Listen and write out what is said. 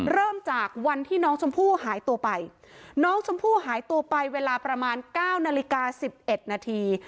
เริ่มจากวันที่น้องชมพู่หายตัวไปน้องชมพู่หายตัวไปเวลาประมาณ๙นาฬิกา๑๑นาที